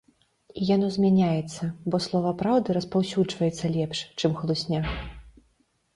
І яно змяняецца, бо слова праўды распаўсюджваецца лепш, чым хлусня.